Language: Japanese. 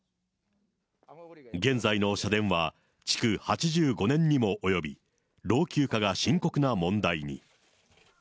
現在の社殿は、築８５年にも及び、老朽化が深刻な問題に。